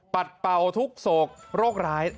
ปัดเป่าทุกศกโรคร้าย